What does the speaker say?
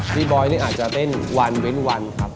บอยนี่อาจจะเต้นวันเว้นวันครับ